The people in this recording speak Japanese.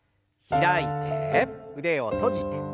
開いて腕を閉じて。